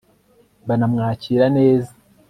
banamwakira neza